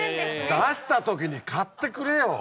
出したときに買ってくれよ。